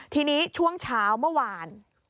ทีนี้ช่วงเช้าเมื่อวาน